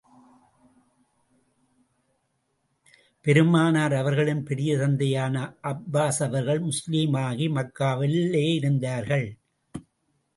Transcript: பெருமானார் அவர்களின் பெரிய தந்தையான அப்பாஸ் அவர்கள் முஸ்லிமாகி, மக்காவிலே இருந்தார்கள்.